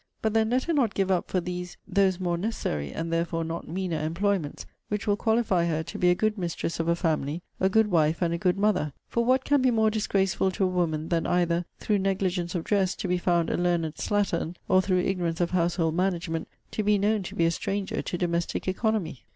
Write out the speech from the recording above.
But then let her not give up for these those more necessary, and, therefore, not meaner, employments, which will qualify her to be a good mistress of a family, a good wife, and a good mother; for what can be more disgraceful to a woman than either, through negligence of dress, to be found a learned slattern; or, through ignorance of household management, to be known to be a stranger to domestic economy?'